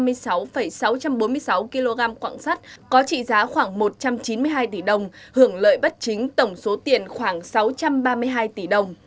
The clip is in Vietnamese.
công ty cổ phần tập đoàn thái dương đã trị giá khoảng sáu trăm ba mươi hai tỷ đồng hưởng lợi bất chính tổng số tiền khoảng sáu trăm ba mươi hai tỷ đồng